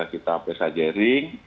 sudah kita pesajaring